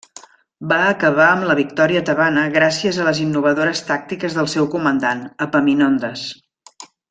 Va acabar amb la victòria tebana gràcies a les innovadores tàctiques del seu comandant, Epaminondes.